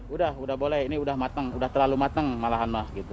udah udah boleh ini udah matang udah terlalu mateng malahan mah gitu